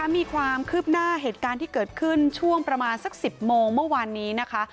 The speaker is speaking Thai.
มีความคืบหน้าเหตุการณ์ที่เกิดขึ้นช่วงประมาณสัก๑๐โมงเมื่อวานนี้นะคะ